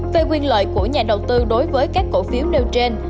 về quyền lợi của nhà đầu tư đối với các cổ phiếu nêu trên